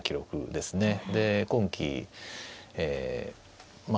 で今期まあ